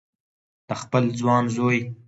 د خپل ځوان زوی